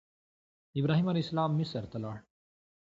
ابراهیم علیه السلام مصر ته لاړ.